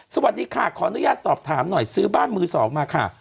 สวัสดีค่ะขออนุญาตสอบถามหน่อยซื้อบ้านมือสองมาค่ะ